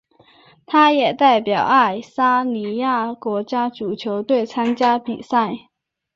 他也代表爱沙尼亚国家足球队参加比赛。